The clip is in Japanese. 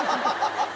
ハハハハ！